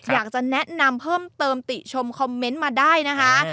อยากจะแนะนำเพิ่มเติมติชมคอมเมนต์มาได้นะคะ